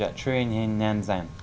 at truyền hình nhan giang